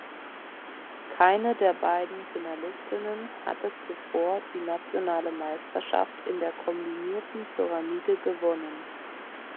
Keine der beiden Finalistinnen hatte zuvor die nationale Meisterschaft in der Kombinierten Pyramide gewonnen.